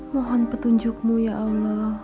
mohon petunjukmu ya allah